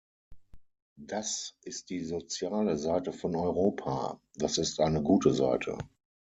Das ist die soziale Seite von Europa, das ist eine gute Seite.